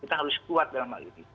kita harus kuat dalam hal ini